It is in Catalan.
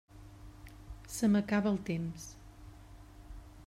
Se m'acaba el temps.